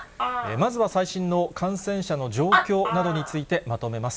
まずは最新の感染者の状況などについて、まとめます。